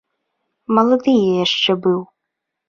Малады я яшчэ быў.